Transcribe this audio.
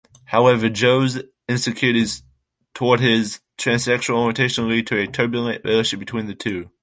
However, Joe's insecurities towardshis sexual orientation lead to a turbulent relationship between the two.